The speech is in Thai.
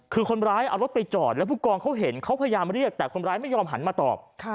คือคนร้ายเอารถไปจอดแล้วผู้กองเขาเห็นเขาพยายามเรียกแต่คนร้ายไม่ยอมหันมาตอบ